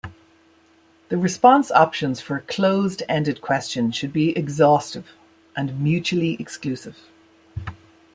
The response options for a closed-ended question should be exhaustive and mutually exclusive.